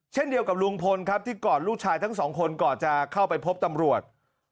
เช่นเดียวกับลุงพลครับที่กอดลูกชายทั้งสองคนก่อนจะเข้าไปพบตำรวจ